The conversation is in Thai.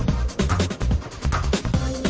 ผมนะบ้างจะอยากกลับช้อนี่